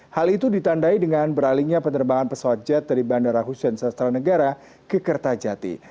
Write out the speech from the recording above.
hal itu ditandai dengan beralihnya penerbangan pesawat jet dari bandara hussein sastra negara ke kertajati